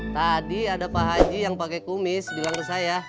tadi ada pak haji yang pakai kumis bilang ke saya